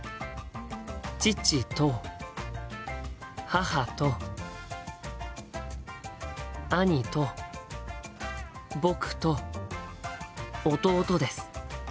父と母と兄と僕と弟です。